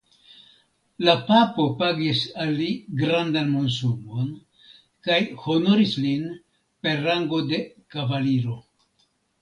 La papo pagis al li grandan monsumon kaj honoris lin per rango de kavaliro.